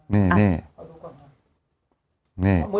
นี่นี่